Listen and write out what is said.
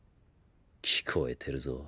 聞こえてるぞ